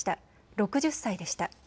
６０歳でした。